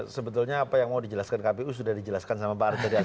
sebetulnya apa yang mau dijelaskan kpu sudah dijelaskan sama pak arteria